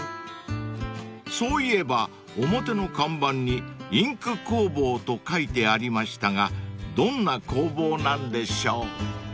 ［そういえば表の看板にインク工房と書いてありましたがどんな工房なんでしょう］